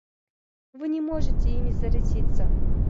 Вы не можете ими заразиться.